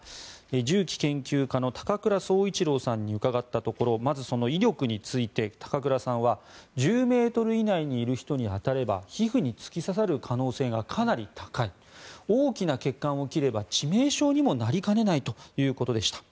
銃器研究家の高倉総一郎さんに伺ったところまずその威力について高倉さんは１０ｍ以内にいる人に当たれば皮膚に突き刺さる可能性がかなり高い大きな血管を切れば致命傷にもなりかねないということでした。